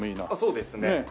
あっそうですね。